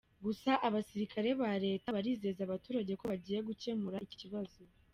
Gusa abasirikare ba Leta barizeza abaturage ko bagiye gukemura iki kibazo.